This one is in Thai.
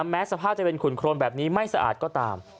แม้สภาพจะเป็นขุนโครนแบบนี้ไม่สะอาดก็ตาม